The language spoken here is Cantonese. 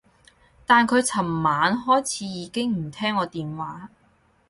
但佢噚晚開始已經唔聽我電話